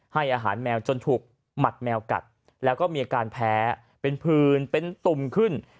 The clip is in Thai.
ให้อาหารแมวจนถูกหมัดแมวกัดแล้วก็มีอาการแพ้เป็นผืนเป็นตุ่มขึ้น